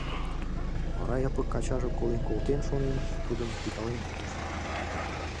Вара Япык, ачаже колен колтен шонен, тудым тӱкалтен ончен: